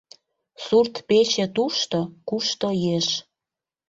Сурт-пече тушто, кушто еш.